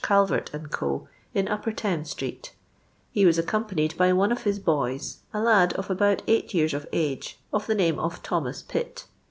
Calvert and Co., in Upper Thames street ; he was accompanied by one of his )k>js. a lad of about eight years uf ug^, of the name of Thomas I'itt.